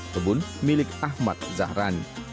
kebun milik ahmad zahrani